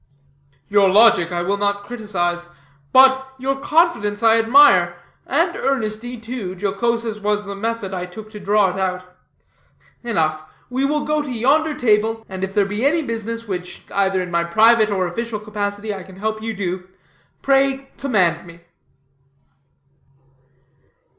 "Your logic I will not criticize, but your confidence I admire, and earnestly, too, jocose as was the method I took to draw it out. Enough, we will go to yonder table, and if there be any business which, either in my private or official capacity, I can help you do, pray command me."